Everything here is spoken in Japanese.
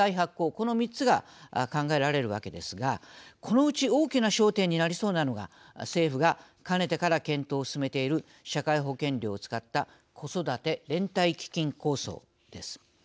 この３つが考えられるわけですがこのうち大きな焦点になりそうなのが政府がかねてから検討を進めている社会保険料を使った子育て連帯基金構想です。